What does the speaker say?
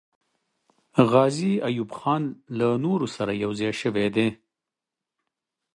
غازي ایوب خان له نورو سره یو ځای سوی دی.